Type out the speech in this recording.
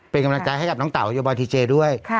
เป็นกำลังใจให้กับน้องเต๋าโยบอยทีเจด้วย